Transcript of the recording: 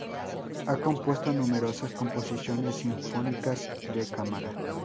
Ha compuesto numerosas composiciones sinfónicas y de cámara.